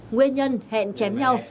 nguyên nhân hẹn chém nhau